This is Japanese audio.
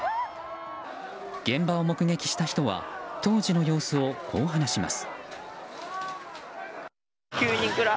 現場を目撃した人は当時の様子をこう話します。